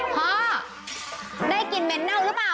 พ่อได้กลิ่นเม้นเม้องรึเปล่า